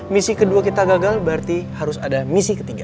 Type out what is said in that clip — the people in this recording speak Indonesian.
misi kedua kita gagal berarti harus ada misi ketiga